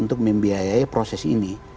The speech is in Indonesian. untuk membiayai proses ini